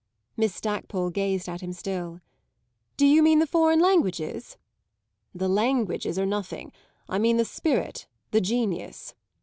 Miss Stackpole gazed at him still. "Do you mean the foreign languages?" "The languages are nothing. I mean the spirit the genius."